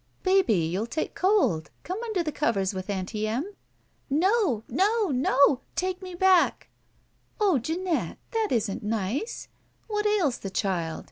"Baby, youTl take cold. Come under covers with Aunty Em?" "No! No! No! Take me back." "Oh, Jeanette, that isn't nice! What ails the child?